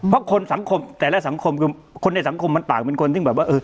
เพราะคนสังคมแต่ละสังคมคนในสังคมมันต่างเป็นคนที่แบบว่า